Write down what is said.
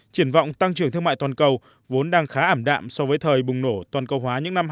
triển vọng tăng trưởng thương mại toàn cầu vốn đang khá ảm đạm so với thời bùng nổ toàn cầu hóa những năm hai nghìn một mươi